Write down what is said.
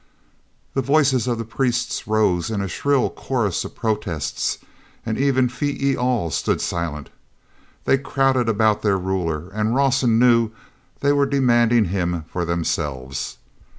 The voices of the priests rose in a shrill chorus of protests, and even Phee e al stood silent. They crowded about their ruler, and Rawson knew they were demanding him for themselves.